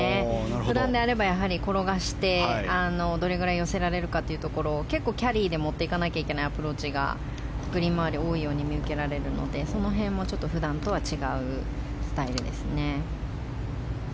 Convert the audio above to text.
普段であれば転がしてどれくらい寄せられるかというところ結構、キャリーで持っていかなければいけないアプローチがグリーン周りは多いように見受けられるのでその辺は普段とは違うスタイルですね。